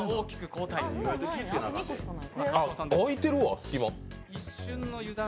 あいてるわ、隙間。